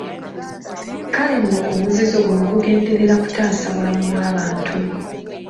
Kale nno omuzizo guno gugenderera kutaasa bulamu bw’abantu.